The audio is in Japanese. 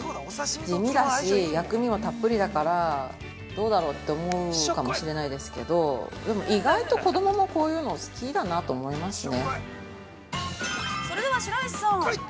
地味だし、薬味はたっぷりだからどうだろうと思うかもしれないですけど意外と子供もこういうの好きだなと思いますね。